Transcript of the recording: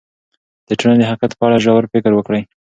د ټولنې د حقیقت په اړه ژور فکر وکړئ.